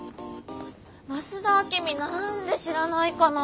増田明美何で知らないかな。